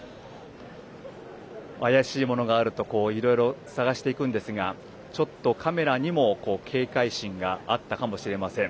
怪しいものがあるといろいろ探していくんですがちょっとカメラにも警戒心があったかもしれません。